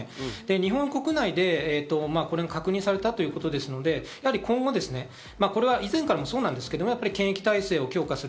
日本国内で確認されたということですので、今後、以前からもそうですが、検疫体制を強化する。